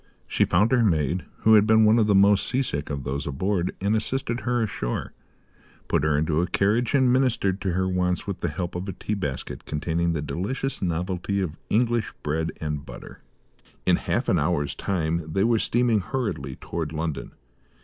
She found her maid who had been one of the most sea sick of those aboard and assisted her ashore, put her into a carriage and ministered to her wants with the help of a tea basket containing the delicious novelty of English bread and butter. In half an hour's time they were steaming hurriedly towards London.